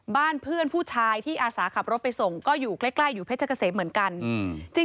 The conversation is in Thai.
บ้านเพื่อนผู้ชายที่อาสาขับรถไปส่งก็อยู่ใกล้อยู่เพชรเกษมเหมือนกัน